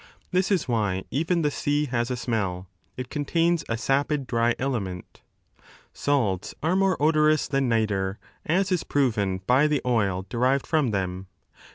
This is why even the sea has a smell ; it contains a sapid dry element Salts are more odorous than nitre, as is proven by the oil derived &om them.